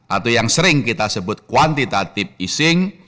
atau yang sering kita sebut kuantitative easing